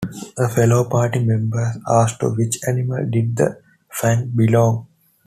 A fellow party member asked to which animal did the fang belong.